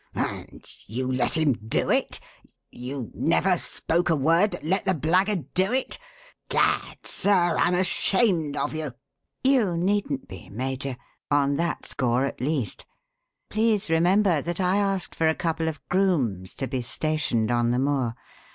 "And you let him do it? you never spoke a word, but let the blackguard do it? Gad, sir, I'm ashamed of you!" "You needn't be, Major, on that score at least. Please remember that I asked for a couple of grooms to be stationed on the moor.